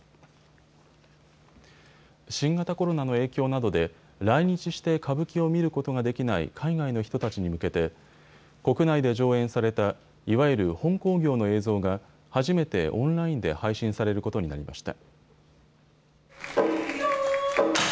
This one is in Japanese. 新型コロナの影響などで来日して歌舞伎を見ることができない海外の人たちに向けて国内で上演されたいわゆる本興行の映像が初めてオンラインで配信されることになりました。